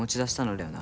だよな。